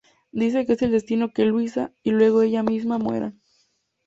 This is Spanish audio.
Dice que es el destino que Luisa, y luego ella misma, mueran.